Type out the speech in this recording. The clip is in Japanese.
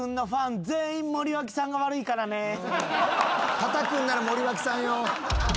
たたくんなら森脇さんよ。